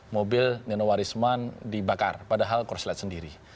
mobil nino warisman dibakar padahal kurslet sendiri